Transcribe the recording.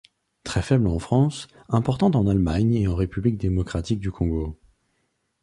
Très faible en France, importante en Allemagne et en République démocratique du Congo.